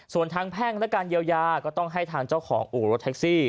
ส่วนทางแพ่งและการเยียวยาก็ต้องให้ทางเจ้าของอู่รถแท็กซี่